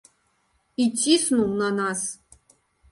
І ціснуў на нас.